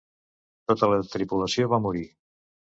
Tota la tripulació va morir.